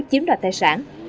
chiếm đoạt tài sản